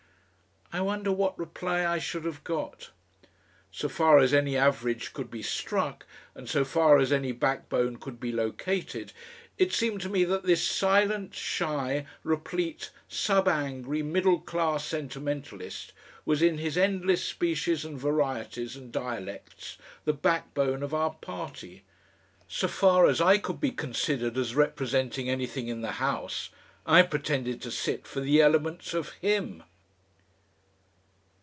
I wonder what reply I should have got. So far as any average could be struck and so far as any backbone could be located, it seemed to me that this silent, shy, replete, sub angry, middle class sentimentalist was in his endless species and varieties and dialects the backbone of our party. So far as I could be considered as representing anything in the House, I pretended to sit for the elements of HIM....